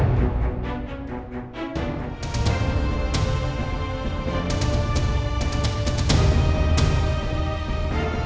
ada tatapan seperti itu lagi